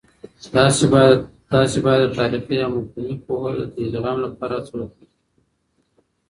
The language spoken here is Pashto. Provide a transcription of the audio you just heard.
تاسې باید د تاريخي او مفهومي پوهه د ادغام لپاره هڅه وکړئ.